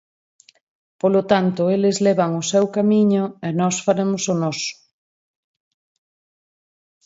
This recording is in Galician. Polo tanto, eles levan o seu camiño e nós faremos o noso.